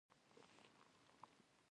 جواهرات د افغانستان د ځمکې د جوړښت نښه ده.